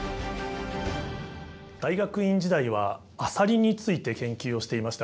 大学院時代はアサリについて研究をしていました。